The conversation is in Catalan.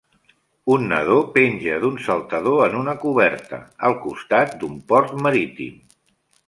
Un nadó penja d'un saltador en una coberta, al costat d'un port marítim.